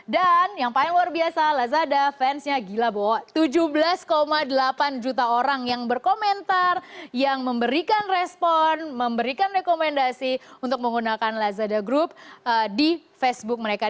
dan yang paling luar biasa lazada fansnya gila boh tujuh belas delapan juta orang yang berkomentar yang memberikan respon memberikan rekomendasi untuk menggunakan lazada group di facebook mereka